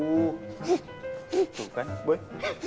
tuh kan boy